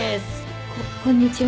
こっこんにちは。